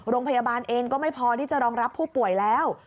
โรงพยาบาลเองก็ไม่พอที่จะรองรับผู้ป่วยแล้ว